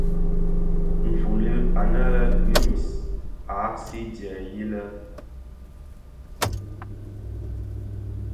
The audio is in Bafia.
Nfuli anë lè Gremisse a ghaksi jèè yilè.